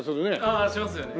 ああしますよね。